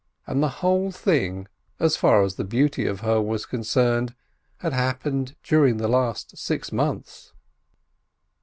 And the whole thing, as far as the beauty of her was concerned, had happened during the last six months.